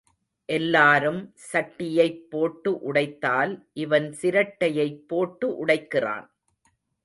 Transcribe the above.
எல்லாரும் சட்டியைப் போட்டு உடைத்தால் இவன் சிரட்டையைப் போட்டு உடைக்கிறான்.